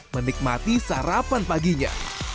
menikmati sarapan paginya